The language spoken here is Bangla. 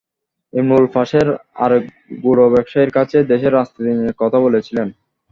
ইমরুল পাশের আরেক গুড় ব্যবসায়ীর কাছে দেশের রাজনীতি নিয়ে কথা বলছিলেন।